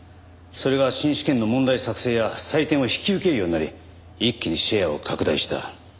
それが新試験の問題作成や採点を引き受けるようになり一気にシェアを拡大した。